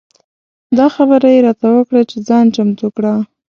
دا خبره یې راته وکړه چې ځان چمتو کړه.